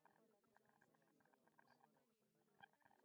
د درملو د حساسیت لپاره اوبه ډیرې وڅښئ